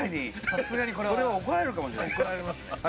さすがにこれは怒られますね